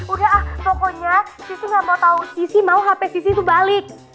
udah ah pokoknya sisi nggak mau tahu sisi mau hp sisi itu balik